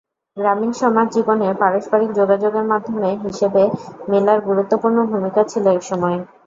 গ্রামীণ সমাজ জীবনের পারস্পরিক যোগাযোগের মাধ্যম হিসেবে মেলার গুরুত্বপূর্ণ ভূমিকা ছিল একসময়।